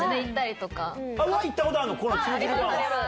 行ったことあるの？